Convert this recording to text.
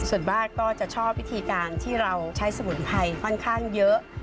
ส่วนมากก็จะชอบวิธีการที่เราใช้สมุนไพรค่อนข้างเยอะ